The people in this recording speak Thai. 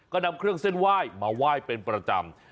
ก็นำเครื่องเส้นไหว้มาไหว้เป็นประจำ